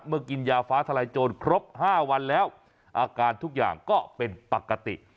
กินยาฟ้าทลายโจรครบ๕วันแล้วอาการทุกอย่างก็เป็นปกติ